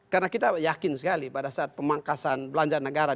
karena kita yakin sekali pada saat pemangkasan belanjaan negara